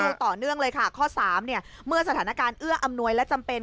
เอาต่อเนื่องเลยค่ะข้อสามเนี่ยเมื่อสถานการณ์เอื้ออำนวยและจำเป็น